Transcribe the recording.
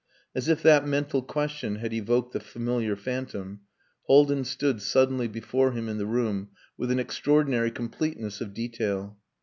As if that mental question had evoked the familiar phantom, Haldin stood suddenly before him in the room with an extraordinary completeness of detail.